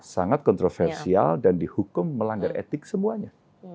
sangat kontroversial dan dihukum melanggar etik semuanya